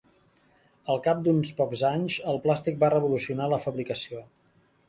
Al cap d'uns pocs anys el plàstic va revolucionar la fabricació.